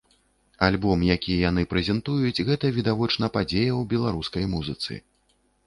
Альбом, які яны прэзентуюць, гэта, відавочна, падзея ў беларускай музыцы.